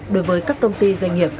đối với các công ty doanh nghiệp